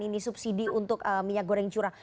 ini subsidi untuk minyak goreng curah